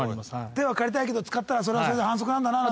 手は借りたいけど使ったらそれはそれで反則なんだなと。